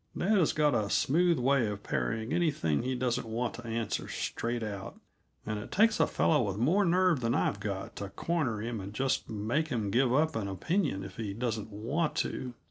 Dad has got a smooth way of parrying anything he doesn't want to answer straight out, and it takes a fellow with more nerve than I've got to corner him and just make him give up an opinion if he doesn't want to.